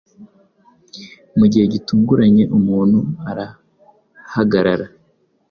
Mugihe gitunguranye umuntu arahagarara,